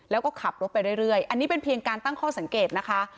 แล้วก็ขับรถไปเรื่อยอันนี้เป็นเพียงการตั้งข้อสังเกตนะคะ